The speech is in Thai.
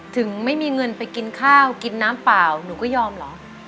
ถึงไม่มีเงินไปกินข้าวกินน้ำเปล่าหนูก็ยอมเหรอ